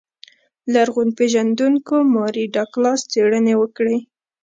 لرغون پېژندونکو ماري ډاګلاس څېړنې وکړې.